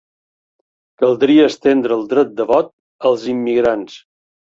Caldria estendre el dret de vot als immigrants.